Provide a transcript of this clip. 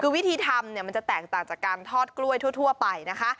คือวิธีทำเนี่ยมันจะแตกต่างจากการทอดกล้วยทั่วไปนะคะ